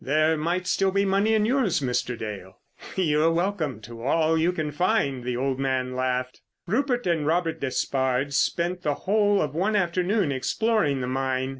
There might still be money in yours, Mr. Dale." "You're welcome to all you can find," the old man laughed. Rupert and Robert Despard spent the whole of one afternoon exploring the mine.